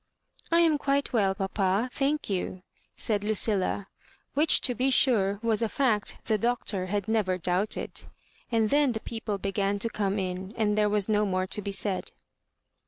" I am quite well, papa, thank you," said Lucilla, which, to be sure, was a fact the Doctor had never doubted; and then the people began to come in, and tliere was no more to be said.